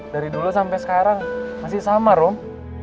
dari dulu sampe sekarang masih sama rum